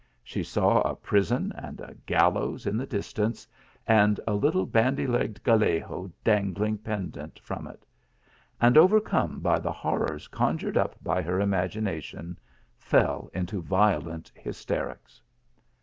She saw a prison and a gallows in the distance, and a little bandy legged Gallego dangling pendant from it ; and, overcome by the horrors conjured up by her imagination, fell into violent hysterics.